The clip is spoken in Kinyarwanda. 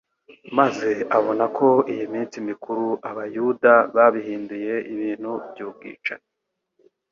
maze abona ko iyo minsi mikuru abayuda babihinduye ibintu by’ubwicanyi